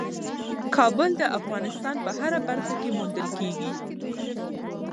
کابل د افغانستان په هره برخه کې موندل کېږي.